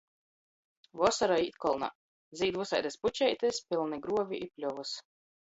Vosora īt kolnā. Zīd vysaidys pučeitis, pylni gruovi i pļovys.